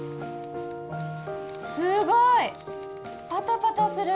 すごい！パタパタするんだ！